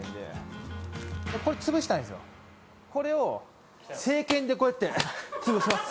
これを正拳でこうやって潰します